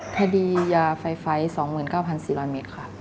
ถ้าดียาไฟไฟ๒๙๔๐๐มิตร